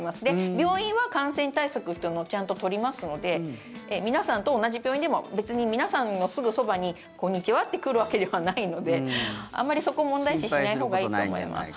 病院は感染対策ってのをちゃんと取りますので皆さんと同じ病院でも別に皆さんのすぐそばにこんにちはって来るわけではないのであまりそこ、問題視しないほうがいいと思います。